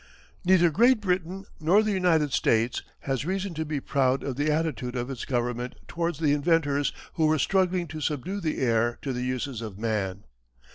Neither Great Britain nor the United States has reason to be proud of the attitude of its government towards the inventors who were struggling to subdue the air to the uses of man.